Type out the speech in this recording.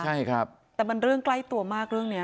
ใช่ครับแต่มันเรื่องใกล้ตัวมากเรื่องนี้